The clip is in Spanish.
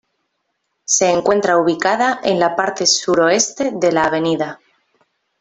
Se encuentra ubicada en la parte sur oeste de la Av.